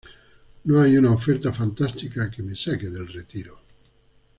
No hay una oferta fantástica que me saque del retiro.